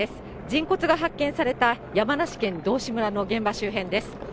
人骨が発見された山梨県道志村の現場周辺です。